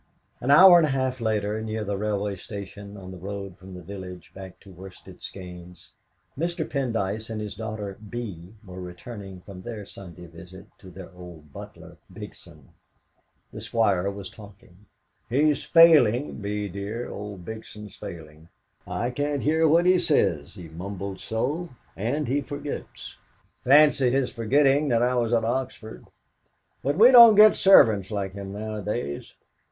An hour and a half later, near the railway station, on the road from the village back to Worsted Skeynes, Mr. Pendyce and his daughter Bee were returning from their Sunday visit to their old butler, Bigson. The Squire was talking. "He's failing, Bee dear old Bigson's failing. I can't hear what he says, he mumbles so; and he forgets. Fancy his forgetting that I was at Oxford. But we don't get servants like him nowadays.